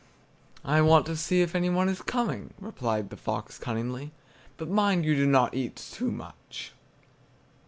"I want to see if any one is coming," replied the fox cunningly; "but mind you do not eat too much!"